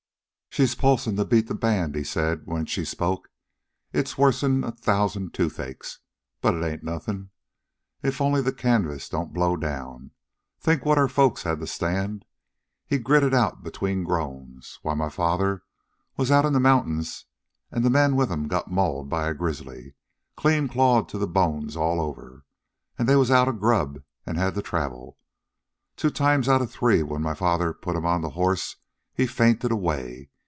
"She's pulsin' to beat the band," he said, when she spoke. "It's worsen a thousand toothaches. But it ain't nothin'... if only the canvas don't blow down. Think what our folks had to stand," he gritted out between groans. "Why, my father was out in the mountains, an' the man with 'm got mauled by a grizzly clean clawed to the bones all over. An' they was outa grub an' had to travel. Two times outa three, when my father put 'm on the horse, he'd faint away.